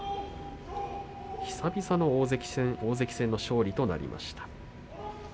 久々の大関戦の勝利となりました。